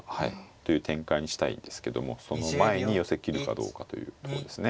という展開にしたいんですけどもその前に寄せきるかどうかというとこですね。